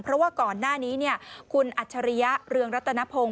เพราะว่าก่อนหน้านี้คุณอัจฉริยะเรืองรัตนพงศ